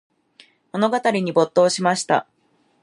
物語に没頭しました。